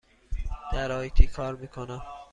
در آی تی کار می کنم.